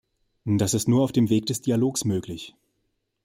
Das ist nur auf dem Weg des Dialogs möglich.